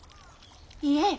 いえ。